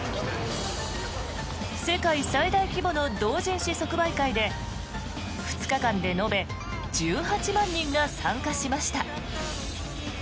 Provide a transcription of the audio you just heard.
世界最大規模の同人誌即売会で２日間で延べ１８万人が参加しました。